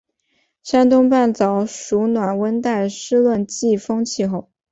山东半岛属暖温带湿润季风气候。